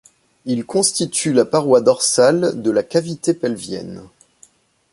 Il constitue la paroi dorsale de la cavité pelvienne.